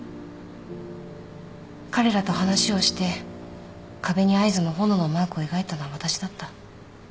彼らと話をして壁に合図の炎のマークを描いたのは私だった。